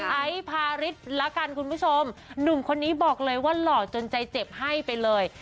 ไอ้พาริสนุ่มคนนี้บอกเลยว่าหล่อจนใจเจ็บให้ไปเลย